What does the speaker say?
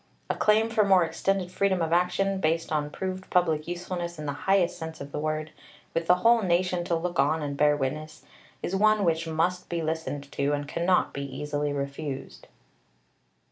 A claim for more extended freedom of action, based on proved public usefulness in the highest sense of the word, with the whole nation to look on and bear witness, is one which must be listened to, and cannot be easily refused."